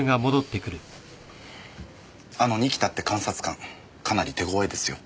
あの仁木田って監察官かなり手ごわいですよ。